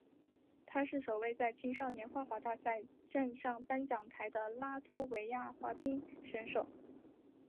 他是首位在青少年花滑大奖赛站上颁奖台的拉脱维亚滑冰选手。